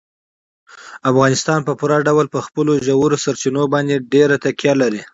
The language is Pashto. افغانستان په پوره ډول په خپلو ژورو سرچینو باندې ډېره تکیه لري.